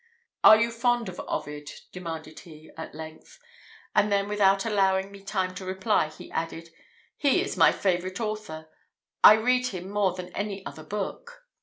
"Are you fond of Ovid?" demanded he, at length; and then, without allowing me time to reply, he added, "He is my favourite author; I read him more than any other book."